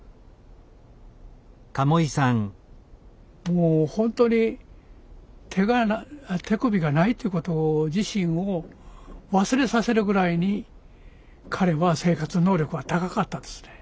もう本当に手首がないということ自身を忘れさせるぐらいに彼は生活能力は高かったですね。